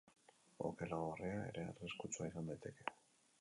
Okela gorria ere arriskutsua izan daiteke.